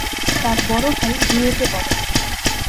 তার বড় ভাই রুয়েটে পড়ে।